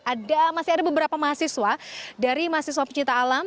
ada masih ada beberapa mahasiswa dari mahasiswa pencipta alam